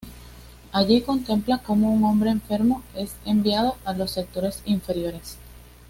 Allí contempla cómo un hombre enfermo es enviado a los sectores inferiores.